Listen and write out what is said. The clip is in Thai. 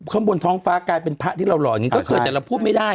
ข้างบนท้องฟ้ากลายเป็นพระที่เราหล่ออย่างนี้ก็เคยแต่เราพูดไม่ได้